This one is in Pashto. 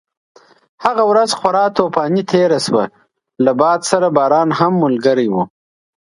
هغه ورځ خورا طوفاني تېره شوه، له باد سره باران هم ملګری و.